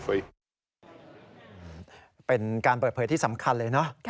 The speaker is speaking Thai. เป็นการเปิดเผยที่สำคัญเลยเนอะ